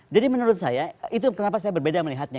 jadi menurut saya itu kenapa saya berbeda melihatnya